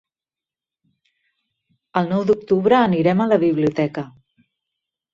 El nou d'octubre anirem a la biblioteca.